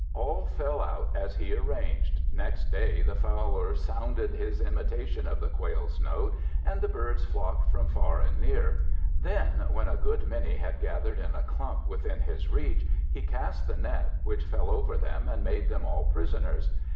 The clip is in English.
All fell out as he arranged. Next day the Fowler sounded his imitation of the quail's note, and the birds flocked from far and near; then, when a good many had gathered in a clump within his reach, he cast the net, which fell over them and made them all prisoners.